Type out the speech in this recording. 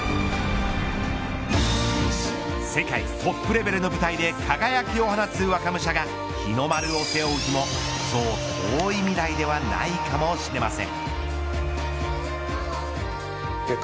世界トップレベルの舞台で輝きを放つ若武者が日の丸を背負う日もそう遠い未来ではないかもしれません。